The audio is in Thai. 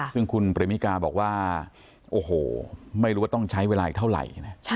ซึ่งคุณปริมิกาบอกว่าโอ้โหไม่รู้ว่าต้องใช้เวลาอีกเท่าไหร่นะ